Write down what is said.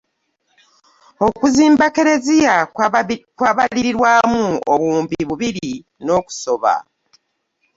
Okuzimba kkereziya kwabalirirwamu obuwumbi bubiri n'okusoba.